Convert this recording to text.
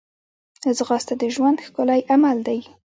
ځغاسته د ژوند ښکلی عمل دی